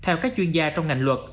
theo các chuyên gia trong ngành luật